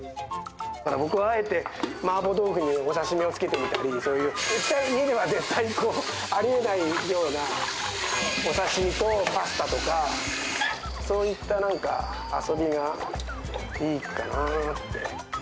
僕はあえて、マーボー豆腐にお刺身を付けてみたり、そういう絶対、家ではこう、ありえないような、お刺身とパスタとか、そういったなんか遊びがいいかな。